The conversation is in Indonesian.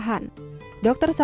dan membuatnya lebih berbahaya